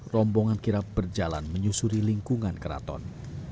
rombongan kirap berjalan menyusuri lingkungan keraton